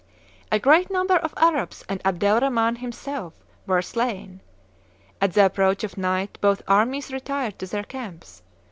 A great number of Arabs and Abdel Rhaman himself were slain. At the approach of night both armies retired to their camps.